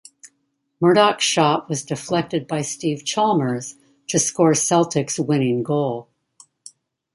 Murdoch's shot was deflected by Stevie Chalmers to score Celtic's winning goal.